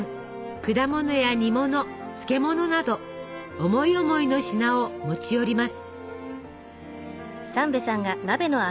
果物や煮物漬物など思い思いの品を持ち寄ります。